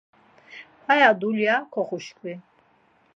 Aya dulya koxuşkvi.